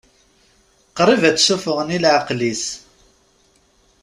Qrib ad tt-ssufɣen i leɛqel-is.